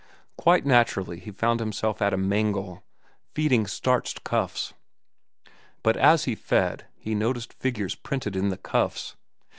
Quite naturally he found himself at a mangle, feeding starched cuffs. But as he fed he noticed figures printed in the cuffs.